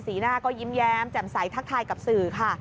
หน้าก็ยิ้มแย้มแจ่มใสทักทายกับสื่อค่ะ